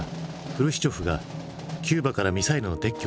フルシチョフがキューバからミサイルの撤去を発表。